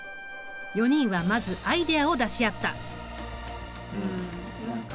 ４人はまずアイデアを出し合った。